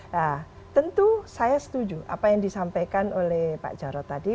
nah tentu saya setuju apa yang disampaikan oleh pak jarod tadi